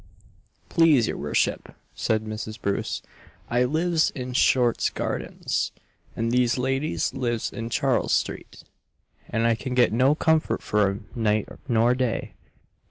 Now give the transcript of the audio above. "Please your worship," said Mrs. Bunce, "I lives in Short's Gardens, and these ladies lives in Charles street, and I can get no comfort for 'em night nor day.